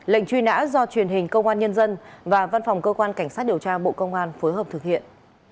lệnh truy nã do truyền hình công an nhân dân và văn phòng cơ quan cảnh sát điều tra bộ công an phối hợp thực hiện